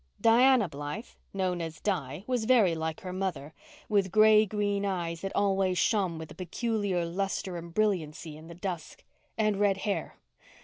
Diana Blythe, known as Di, was very like her mother, with gray green eyes that always shone with a peculiar lustre and brilliancy in the dusk, and red hair.